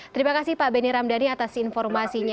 terima kasih pak benny ramdhani atas informasinya